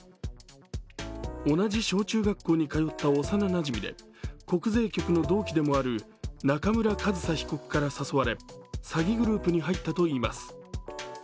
同じ小中学校に通った幼なじみで国税局の同期である中村上総被告に誘われ詐欺グループに入ったといいます。